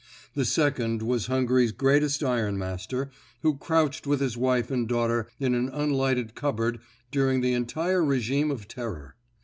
The second was Hungary's greatest iron master, who crouched with his wife and daughter in an unlighted cupboard during the entire regime of terror.